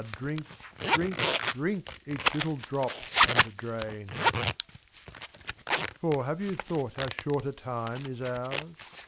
drink, drink, drink, each little drop and drain. For, have you thought how short a time is ours